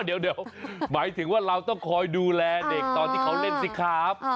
เดี๋ยวหมายถึงว่าเราต้องคอยดูแลเด็กตอนที่เขาเล่นสิครับ